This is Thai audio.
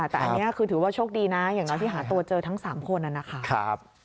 แต่อันนี้คือถือว่าโชคดีนะอย่างน้อยที่หาตัวเจอทั้ง๓คนนะครับ